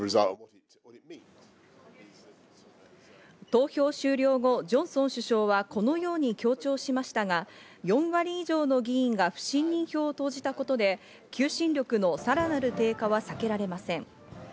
投票終了後、ジョンソン首相はこのように強調しましたが、４割以上の議員が不信任票を投じたことで求心力のさらなる低下は避けられません。